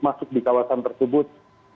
masuk di kawasan tersebut